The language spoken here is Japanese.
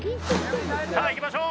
さあいきましょう。